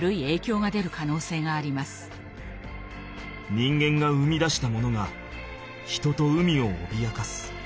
人間が生み出したものが人と海をおびやかす。